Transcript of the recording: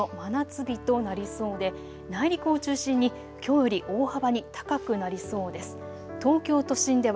ほとんどのところで３０度以上の真夏日となりそうで内陸を中心にきょうより大幅に高くなりそうです。